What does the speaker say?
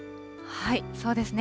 そうですね。